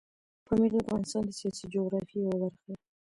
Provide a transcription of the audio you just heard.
پامیر د افغانستان د سیاسي جغرافیې یوه برخه ده.